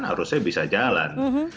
harusnya bisa jalan